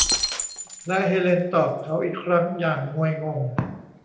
และเฮเลนตอบเขาอีกครั้งอย่างงวยงง